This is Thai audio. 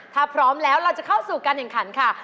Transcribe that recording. ถ้าพร้อมแล้วเราจะเข้าสู่การแข่งขันค่ะ